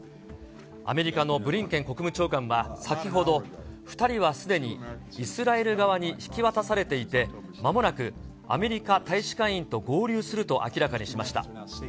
アメリカのブリンケン国務長官は先ほど、２人はすでにイスラエル側に引き渡されていて、まもなくアメリカ大使館員と合流すると明らかにしました。